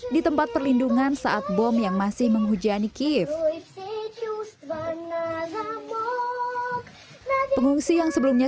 di tempat perlindungan saat bom yang masih menghujani kiev pengungsi yang sebelumnya